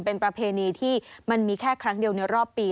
เป็นประเพณีที่มันมีแค่ครั้งเดียวในรอบปี